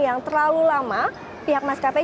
yang terlalu lama pihak maskapai